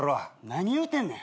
何言うてんねん。